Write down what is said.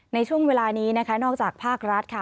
ในช่วงเวลานี้นะคะนอกจากภาครัฐค่ะ